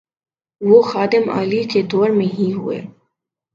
وہ خادم اعلی کے دور میں ہی ہوئے۔